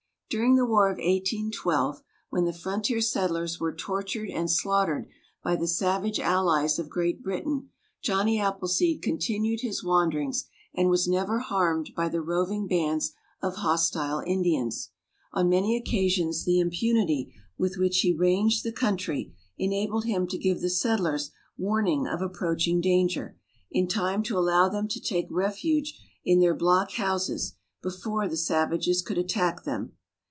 "During the war of 1812, when the frontier settlers were tortured and slaughtered by the savage allies of Great Britain, Johnny Appleseed continued his wanderings, and was never harmed by the roving bands of hostile Indians. On many occasions the impunity with which he ranged the country enabled him to give the settlers warning of approaching danger, in time to allow them to take refuge in their block houses before the savages could attack them.